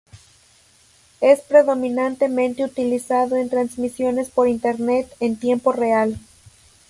Es predominantemente utilizado en transmisiones por internet en tiempo real.